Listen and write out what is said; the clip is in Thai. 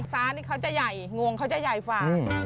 ซ้านี่เขาจะใหญ่งงเขาจะใหญ่ฝ่า